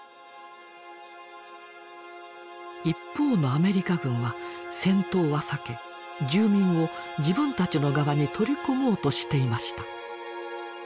一方のアメリカ軍は戦闘は避け住民を自分たちの側に取り込もうとしていました。